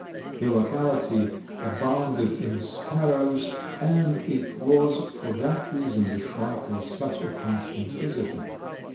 The locality abounded in sparrows and it was for that reason the shrike was such a constant visitor.